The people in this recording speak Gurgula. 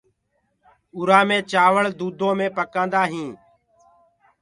اُرآ مي چآوݪ دُوٚدو مي پڪآندآ هينٚ۔